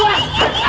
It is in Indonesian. lewat kering sini